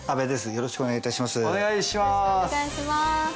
よろしくお願いします。